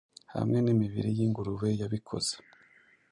Hamwe nimibiri yingurube yabikoze